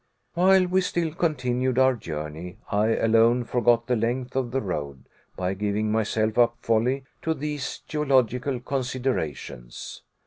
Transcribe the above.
While we still continued our journey, I alone forgot the length of the road, by giving myself up wholly to these geological considerations.